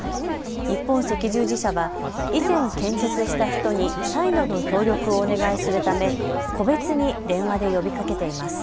日本赤十字社は以前、献血した人に再度の協力をお願いするため個別に電話で呼びかけています。